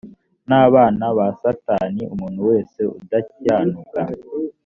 n abana ba satani umuntu wese udakiranuka